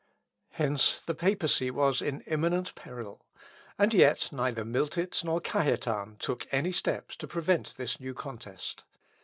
Hence the papacy was in imminent peril; and yet neither Miltitz nor Cajetan took any steps to prevent this new contest.